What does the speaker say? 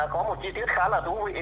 có một chi tiết khá là thú vị